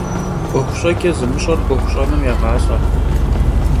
'Uexu ş'eç'e zımış'er 'Uexu ş'enım yêğalh'e.